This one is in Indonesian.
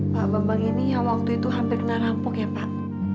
pak bambang ini yang waktu itu hampir kena rampok ya pak